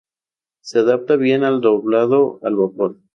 Se adapta bien al doblado al vapor.